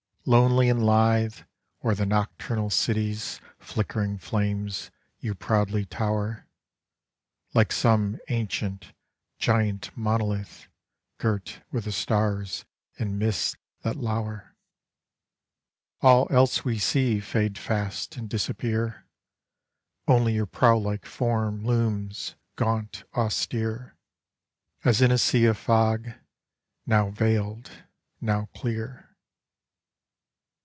Lonely and lithe, o'er the nocturnal city's Flickering flames, you proudly tower. Like some ancient, giant monolith, Girt with the stars and nists that lower. All else we see fade fast and disappear, Only your prow like form looms p.aunt, austere, As in e sea of fog, now veiled, now clear.